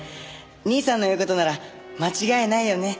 兄さんの言う事なら間違いないよね。